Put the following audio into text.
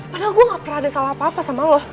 padahal gue gak pernah ada salah apa apa sama lo